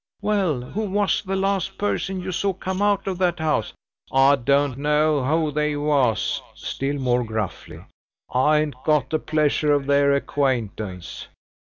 "Well who was the last person you saw come out of that house?" "I don't know who they was!" still more gruffly. "I ain't got the pleasure of their acquaintance!"